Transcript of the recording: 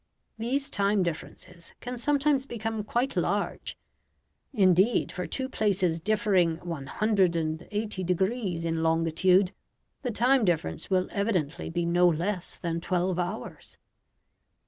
These time differences can sometimes become quite large. Indeed, for two places differing 180 degrees in longitude, the time difference will evidently be no less than twelve hours.